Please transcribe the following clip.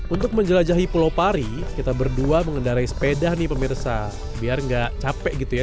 untuk menjelajahi pulau pari kita berdua mengendarai sepeda nih pemirsa biar enggak capek gitu ya